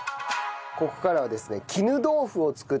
ここからはですね